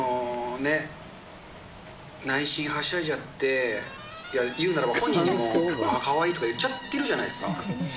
内心はしゃいじゃって、言うならば本人にも、あー、かわいいとか、言っちゃってるじゃないですか。